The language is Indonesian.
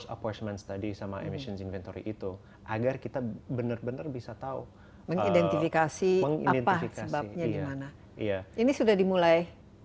agar kita benar benar bisa tahu mengidentifikasi apa sebabnya gimana iya ini sudah dimulai